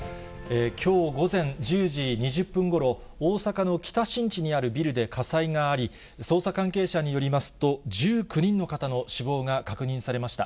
きょう午前１０時２０分ごろ、大阪の北新地にあるビルで火災があり、捜査関係者によりますと、１９人の方の死亡が確認されました。